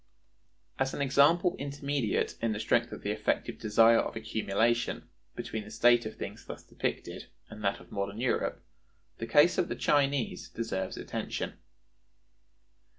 As an example intermediate, in the strength of the effective desire of accumulation, between the state of things thus depicted and that of modern Europe, the case of the Chinese deserves attention.